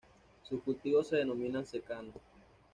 Sus cultivos se denominan secano.